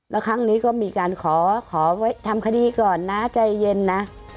แล้วครั้งนี้ก็มีการขอไว้ทำคดีก่อนนะใจเย็นนะ